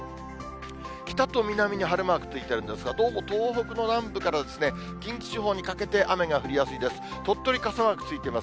北と南に晴れマークついてるんですが、どうも東北の南部から近畿地方にかけて雨が降りやすいです。